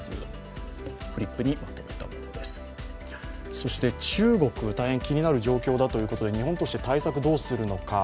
そして、中国、大変気になる状況だということで、日本として対策をどうするのか。